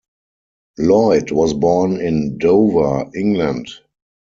Lloyd was born in Dover, England.